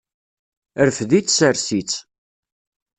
Rfed-itt, sers-itt.